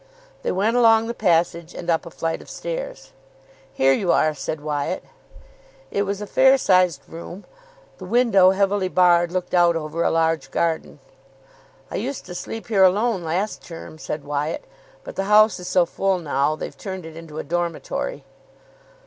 They went along the passage, and up a flight of stairs. "Here you are," said Wyatt. It was a fair sized room. The window, heavily barred, looked out over a large garden. "I used to sleep here alone last term," said Wyatt, "but the house is so full now they've turned it into a dormitory."